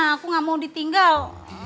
aku gak mau ditinggal